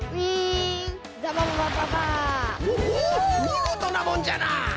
みごとなもんじゃな！